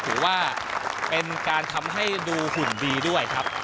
ถือว่าเป็นการทำให้ดูหุ่นดีด้วยครับ